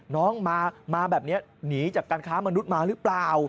น้องมาแบบนี้หนีจากการค้ามนุษย์มาหรือเปล่า